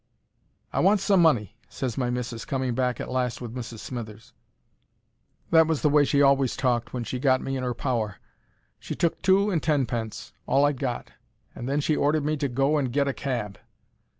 "I want some money," ses my missis, coming back at last with Mrs. Smithers. That was the way she always talked when she'd got me in 'er power. She took two and tenpence—all I'd got—and then she ordered me to go and get a cab.